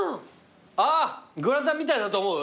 あぁグラタンみたいだと思う？